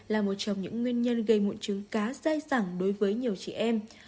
là một trong những nguyên nhân gây mụn chướng cá sai sẵn đối với nhiều chị em